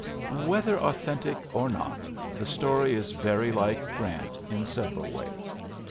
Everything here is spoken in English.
'' Whether authentic or not, the story is very like Grant in several ways.